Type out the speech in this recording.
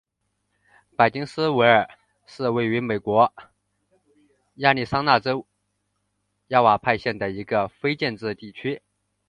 珀金斯维尔是位于美国亚利桑那州亚瓦派县的一个非建制地区。